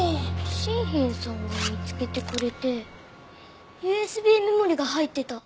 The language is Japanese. シンヒンさんが見つけてくれてＵＳＢメモリが入ってた。